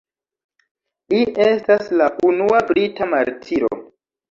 Li estas la unua brita martiro.